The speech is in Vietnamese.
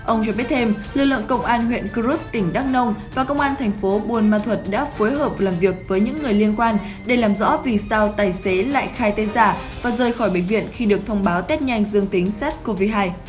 ông cho biết thêm lực lượng công an huyện cư rút tỉnh đắk nông và công an thành phố buôn ma thuật đã phối hợp làm việc với những người liên quan để làm rõ vì sao tài xế lại khai tên giả và rời khỏi bệnh viện khi được thông báo test nhanh dương tính sars cov hai